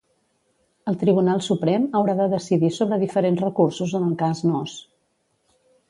El Tribunal Suprem haurà de decidir sobre diferents recursos en el cas Nóos.